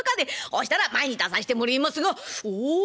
ほしたら前に出させてもれえますがおお。